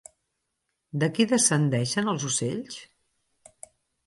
De qui descendeixen els ocells?